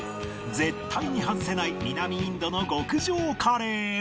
絶対に外せない南インドの極上カレー